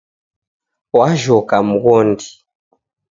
Wajhoka mghondi.